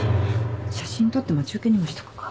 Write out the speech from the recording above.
写真撮って待ち受けにもしとくか。